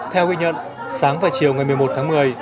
theo ghi nhận sáng và chiều ngày một mươi một tháng một mươi